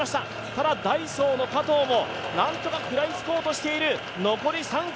ただダイソーの加藤も何とか食らいつこうとしている。